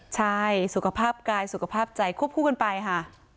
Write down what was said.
ใช่สุขภาพกายสุขภาพใจควบคู่กันไปค่ะ